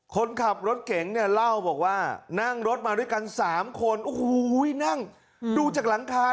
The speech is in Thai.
คนขับรถเก๋งเนี่ยเล่าบอกว่านั่งรถมาด้วยกัน๓คนโอ้โหนั่งดูจากหลังคา